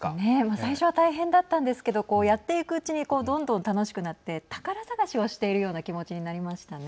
最初は大変だったんですけどこうやっていくうちにこう、どんどん楽しくなって宝探しをしているような気持ちになりましたね。